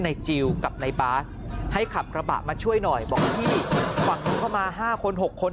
ในจิวและในบัสให้ขับกระบะมาช่วยหน่อยบอกที่เข้ามา๕คน๖คน